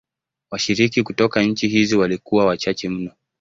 Washiriki kutoka nchi hizi walikuwa wachache mno.